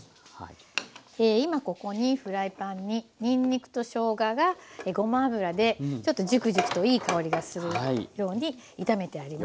今ここにフライパンににんにくとしょうががごま油でちょっとジュクジュクといい香りがするように炒めてあります。